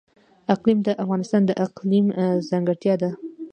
اقلیم د افغانستان د اقلیم ځانګړتیا ده.